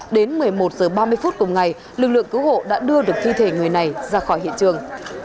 đến một mươi một h ba mươi phút cùng ngày lực lượng cứu hộ đã đưa được thi thể người này ra khỏi hiện trường